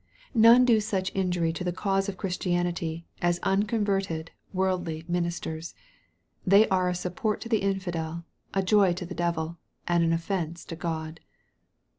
None do such injury to the cause of Christianity, as unconverted, worldly ministers. They are a support to the infidel, a joy to the devil, and an offence to God.